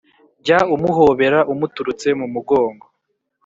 jya umuhobera umuturutse mu mugongo,